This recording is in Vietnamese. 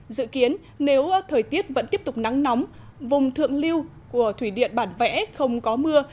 dự kiến nếu thời tiết vẫn tiếp tục nắng nóng vùng thượng lưu của thủy điện bản vẽ không có mưa